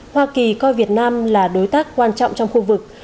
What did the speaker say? hoa kỳ coi việt nam là đối tác quan trọng trong khu vực